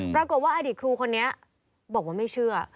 ปรากฏว่าอดีตครูคนนี้บอกว่าไม่เชื่อ